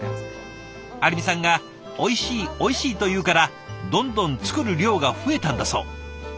有美さんがおいしいおいしいと言うからどんどん作る量が増えたんだそう。